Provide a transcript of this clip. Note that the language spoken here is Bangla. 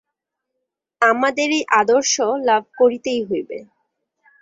আমাদের এই আদর্শ লাভ করিতেই হইবে।